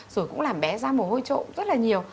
rồi cũng làm bé ra mồ hôi trộ rất là nhiều